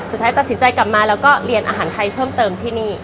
สุดท้ายตัดสินใจกลับมาแล้วก็เรียนอาหารไทยเพิ่มเติมที่นี่